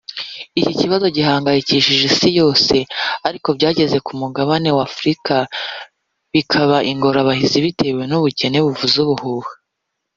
Icyo kibazo gihangayikishije Isi yose ariko byagera ku mugabane wa Afurika bikaba ingorabahizi bitewe n’ubukene buvuza ubuhuha